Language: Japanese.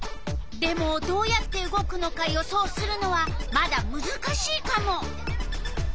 でもどうやって動くのか予想するのはまだむずかしいカモ。